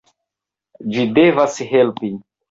Ĝi devas helpi!